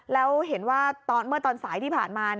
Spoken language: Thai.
แล้วเห็นว่าเมื่อตอนสายที่ผ่านมา